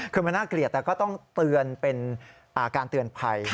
คือมันน่าเกลียดแต่ก็ต้องเตือนเป็นการเตือนภัย